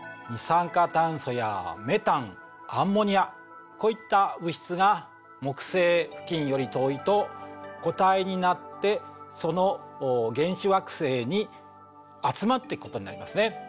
二酸化炭素やメタンアンモニアこういった物質が木星付近より遠いと固体になってその原始惑星に集まっていくことになりますね。